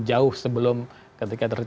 jauh sebelum ketika